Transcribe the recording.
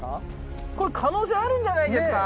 これ可能性あるんじゃないですか？